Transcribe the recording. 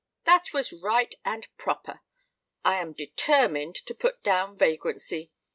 "That was right and proper. I am determined to put down vagrancy.